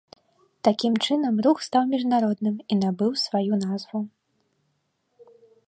Такім чынам рух стаў міжнародным і набыў сваю назву.